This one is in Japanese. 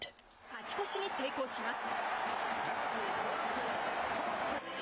勝ち越しに成功します。